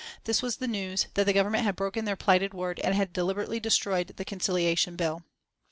This was the news, that the Government had broken their plighted word and had deliberately destroyed the Conciliation Bill.